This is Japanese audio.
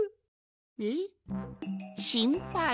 えっしんぱい？